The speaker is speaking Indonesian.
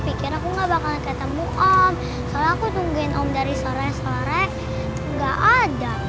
pikir aku gak bakalan ketemu om soalnya aku nungguin om dari sore sore nggak ada